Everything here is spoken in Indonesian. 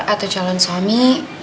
atau calon suami